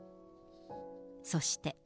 そして。